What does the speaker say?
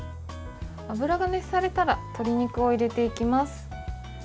油が熱されたら鶏肉を入れていきます。